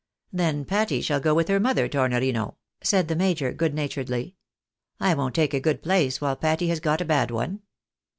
249 " Then Patty shall go with her mother, Tornorino," said the major, goOd naturedly. " I won't take a good place while Patty has got a bad one."